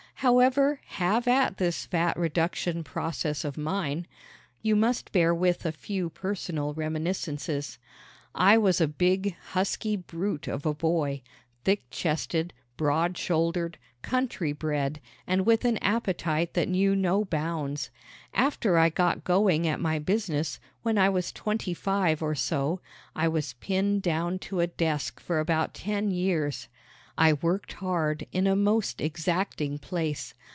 However, have at this fat reduction process of mine! You must bear with a few personal reminiscences. I was a big, husky brute of a boy thick chested, broad shouldered, country bred and with an appetite that knew no bounds. After I got going at my business, when I was twenty five or so, I was pinned down to a desk for about ten years. I worked hard in a most exacting place.